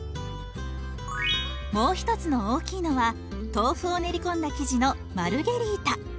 もう一つの大きいのは豆腐を練り込んだ生地のマルゲリータ。